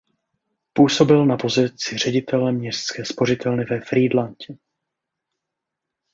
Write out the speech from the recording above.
Působil na pozici ředitele městské spořitelny ve Frýdlantě.